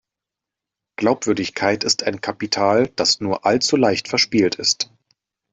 Glaubwürdigkeit ist ein Kapital, das nur allzu leicht verspielt ist.